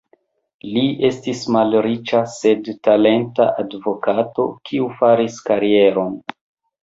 Li estis malriĉa, sed talenta advokato, kiu faris karieron.